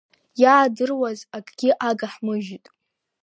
Иаадыруаз акгьы агҳмыжьит.